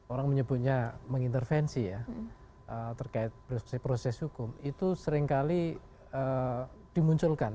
orang menyebutnya mengintervensi ya terkait proses hukum itu seringkali dimunculkan